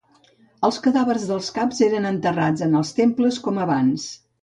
Els cadàvers dels caps eren enterrats en els temples com abans.